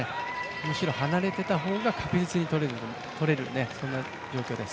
むしろ離れていた方が確実にとれるという状況です。